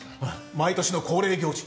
毎年の恒例行事